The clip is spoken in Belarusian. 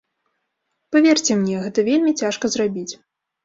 Паверце мне, гэта вельмі цяжка зрабіць.